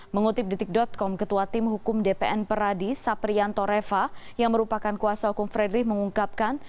mengutip detik com ketua tim hukum dpn peradi saprianto reva yang merupakan kuasa hukum fredrik mengungkapkan